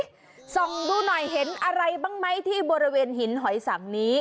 ส่องดูหน่อยเห็นอะไรบ้างไหมที่บริเวณหินหอยสังนี้